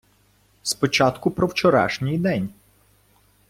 Спочатку про вчорашній день.